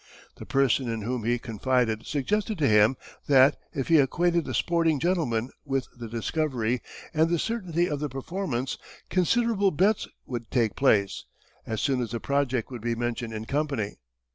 The person in whom he confided suggested to him, that, if he acquainted the sporting Gentlemen with the discovery, and the certainty of the performance, considerable betts would take place, as soon as the project would be mentioned in company.